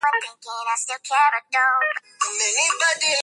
akizungumzia hali ilivyo nchini libya wakati majeshi